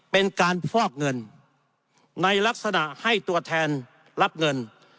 เป็นการฟอกเงินในลักษณะให้ตัวแทนรับเงิน